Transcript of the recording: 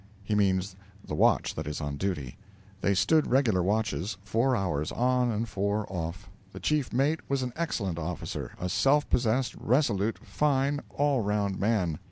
He means the watch that is on duty; they stood regular watches four hours on and four off. The chief mate was an excellent officer a self possessed, resolute, fine, all round man.